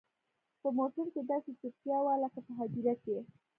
په موټر کښې داسې چوپتيا وه لكه په هديره کښې.